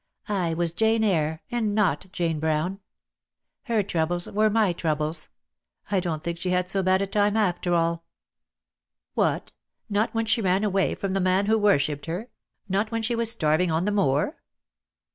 I was Jane Eyre — and not Jane Brown. Her troubles were my troubles. I don't think she had so bad a time after all." "What, not when she ran away from the man 24 DEAD LOVE HAS CHAINS. who worshipped her — not when she was starving on the moor?"